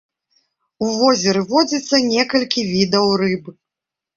У возеры водзіцца некалькі відаў рыб.